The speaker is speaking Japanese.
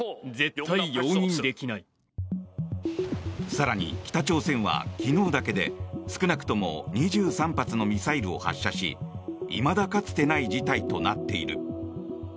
更に北朝鮮は昨日だけで少なくとも２３発のミサイルを発射しいまだかつてない事態となっている。